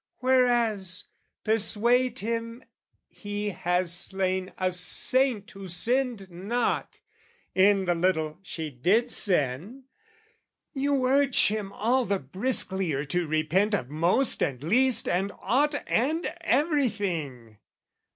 Whereas, persuade him he has slain a saint Who sinned not in the little she did sin, You urge him all the brisklier to repent Of most and least and aught and everything!